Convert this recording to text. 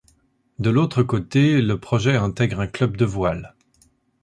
De l’autre côté, le projet intègre un club de voile.